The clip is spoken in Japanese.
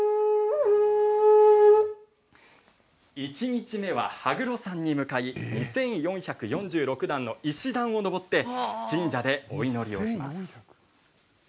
１日目は羽黒山に向かい２４４６段の、石段を上って神社でお祈りをします。